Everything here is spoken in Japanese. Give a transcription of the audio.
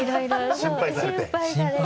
そう心配されて。